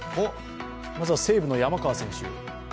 まずは西武の山川選手。